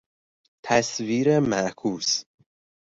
تصویر معکوس